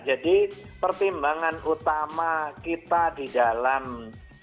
jadi pertimbangan utama kita di dalam mengambil alasan